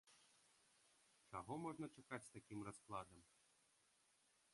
Чаго можна чакаць з такім раскладам?